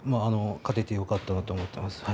勝ててよかったなと思います。